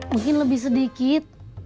mungkin lebih sedikit